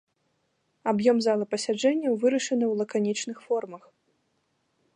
Аб'ём залы пасяджэнняў вырашаны ў лаканічных формах.